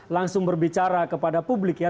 langsung berbicara kepada publik ya